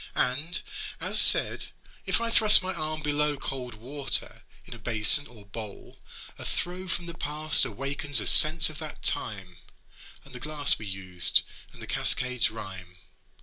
And, as said, if I thrust my arm below Cold water in a basin or bowl, a throe From the past awakens a sense of that time, And the glass we used, and the cascade's rhyme.